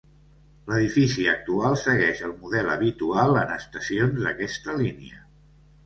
L'edifici actual segueix el model habitual en estacions d'aquesta línia.